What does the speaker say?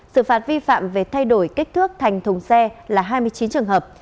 sự phạt vi phạm về thay đổi kích thước thành thùng xe là hai mươi chín trường hợp